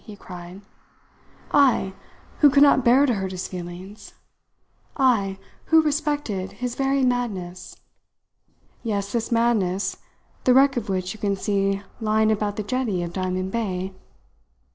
he cried. "I, who could not bear to hurt his feelings. I, who respected his very madness! Yes, this madness, the wreck of which you can see lying about the jetty of Diamond Bay.